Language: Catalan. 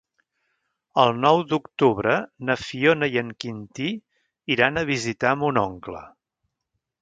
El nou d'octubre na Fiona i en Quintí iran a visitar mon oncle.